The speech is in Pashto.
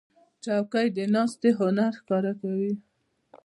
چوکۍ د ناستې هنر ښکاره کوي.